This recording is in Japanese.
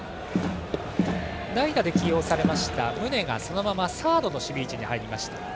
代打で起用されました宗がそのままサードに入りました。